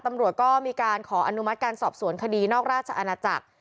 ตำรวจก็มีการขออนุมัติการสอบสวนคดีนอกราชอาณาจักร